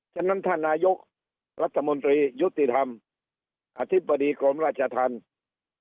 ฉะนั้นท่านนายกรัฐมนตรียุติธรรมอธิบดีกรมราชธรรม